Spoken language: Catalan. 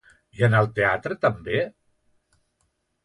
I en el teatral també?